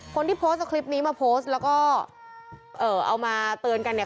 คนที่โพสต์เอาคลิปนี้มาโพสต์แล้วก็เอ่อเอามาเตือนกันเนี่ย